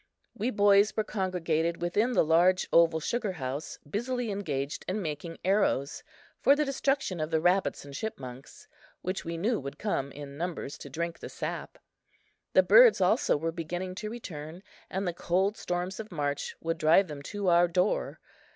We boys were congregated within the large, oval sugar house, busily engaged in making arrows for the destruction of the rabbits and chipmunks which we knew would come in numbers to drink the sap. The birds also were beginning to return, and the cold storms of March would drive them to our door.